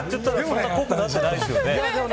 そんな濃くなってないですよね。